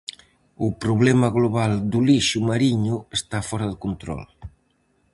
O problema global do lixo mariño está fóra de control.